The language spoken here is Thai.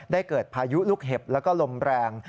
เกิดพายุลูกเห็บแล้วก็ลมแรง